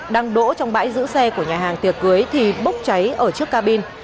đang đỗ trong bãi giữ xe của nhà hàng tiệc cưới thì bốc cháy ở trước cabin